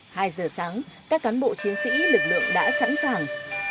hai giờ sáng các cán bộ chiến sĩ lực lượng đã sẵn sàng